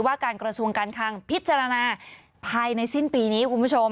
ว่าการกรวจส่วนการคางพิจารณาภายในสิ้นปีนี้